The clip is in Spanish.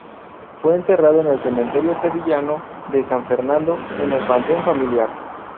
Fue enterrado en el cementerio sevillano de San Fernando, en el panteón familiar.